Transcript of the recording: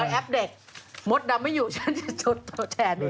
แต่ฉันไม่อยู่ฉันจะชดแทนเอง